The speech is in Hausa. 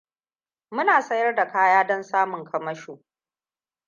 Muna sayar da kaya don samun kamasho.